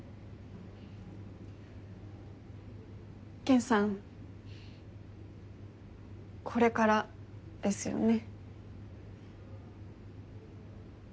ケンさんこれからですよね？